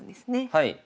はい。